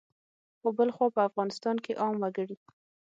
خو بلخوا په افغانستان کې عام وګړي